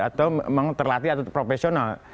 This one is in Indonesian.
atau memang terlatih atau profesional